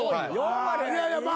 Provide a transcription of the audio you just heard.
いやいやま